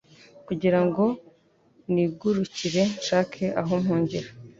kugira ngo nigurukire nshake aho mpungira